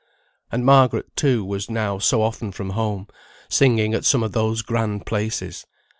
And Margaret, too, was now so often from home, singing at some of those grand places.